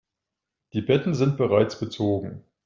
Die Betten sind bereits bezogen.